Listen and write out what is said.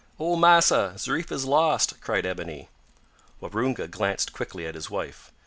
"Oh! massa, Zariffa's lost!" cried Ebony. Waroonga glanced quickly at his wife.